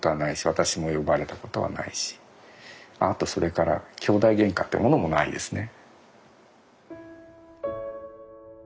私も呼ばれたことはないしあとそれから兄弟ゲンカってものもないですね。